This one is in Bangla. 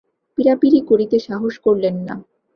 পীড়াপীড়ি করতে সাহস করলেন না।